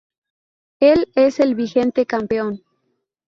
El es el vigente campeón.